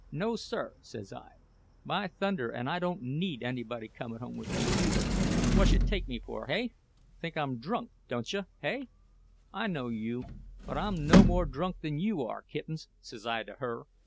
'No, sir,' says I, 'by thunder, and I don't need anybody goin' home with me, either—whujja take me for, hey? Think I'm drunk, dontcha, hey?—I know you! But I'm no more drunk than you are, Kittens,' says I to her.